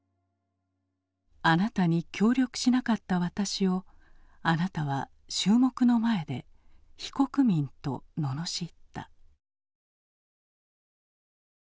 「あなたに協力しなかった私をあなたは衆目の前で非国民とののしった」。